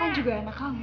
makasih ya berapa semua